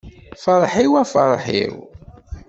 Ferḥ-iw a ferḥ-iw.